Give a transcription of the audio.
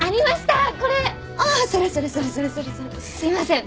すいません。